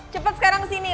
cepet sekarang kesini